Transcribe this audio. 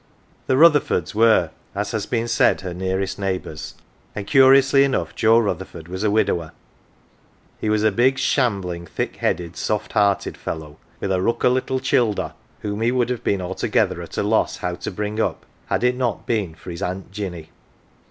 The Rutherfords were, as has been said, her nearest neighbours, and curiously enough Joe Rutherford was a widower. He was a big, shambling, thick headed, soft hearted fellow, with "a rook o 1 little childer," whom he would have been altogether at a loss how to bring up had it not been for his Aunt Jinny.